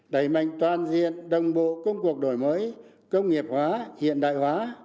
đẩy mạnh toàn diện đồng bộ công cuộc đổi mới công nghiệp hóa hiện đại hóa